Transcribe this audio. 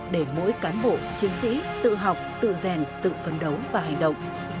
để mỗi cán bộ chiến sĩ tự học tự rèn tự phấn đấu và hành động